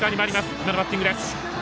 今のバッティングです。